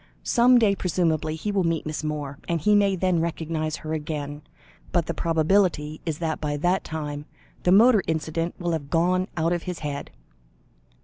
"Some day, presumably, he will meet Miss Moore, and he may then recognise her again. But the probability is that by that time, the motor incident will have gone out of his head."